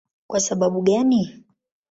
Kwa sababu gani?